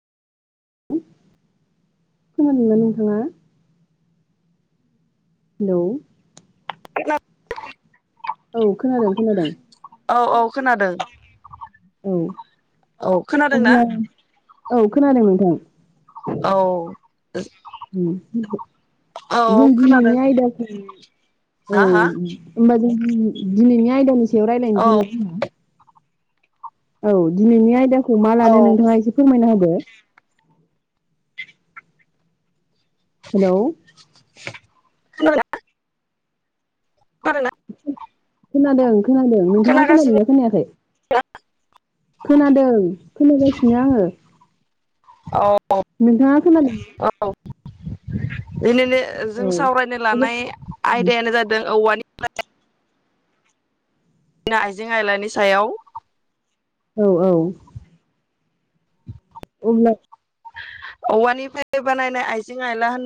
[inaudible] खोनादोंना नोंथाङा? हेलौ [unintelligible] औ खोनादों खोनादों। औ औ खोनादों औ औ खोनादोंना अब्ला औ खोनादों नोंथां। औ औ [inaudible] जों दिनैनि खोनादों आयदाखौ औ हा हा होनबा जों दिनै दिनैनि आयदानि सायाव औ रायलायनायनोसै [unintelligible] औ दिनैनि आयदा खौ मा लानो नोंथाङा एसे फोरमायना होदो। [unintelligible] हेलौ खोनाबायना? खोनादों। खोनादों नोंथाङा खोनागासिनो खोनादोंना खोनायाखै? [inaudible] खोनादों खोनागासिनो आङो। औ नोंथांआ खोनादों [unintelligible] [unintelligible] औ जों सावरायनो लानाय आयदायानो जादों औवानि [inaudible] आइजें आयलानि सायाव। औ औ। [unintelligible] औवानिफ्राय बानायनाय आइजें आइला होन